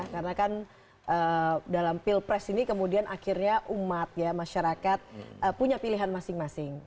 karena kan dalam pilpres ini kemudian akhirnya umat ya masyarakat punya pilihan masing masing